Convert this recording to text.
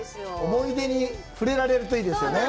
思い出に触れられるといいですね。